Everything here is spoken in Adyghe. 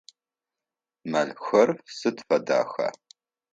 Мэлхэр сыд фэдэха?